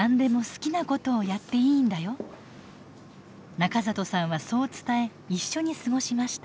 中里さんはそう伝え一緒に過ごしました。